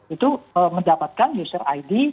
itu mendapatkan user id